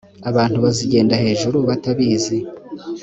abantu bazigenda hejuru batabizi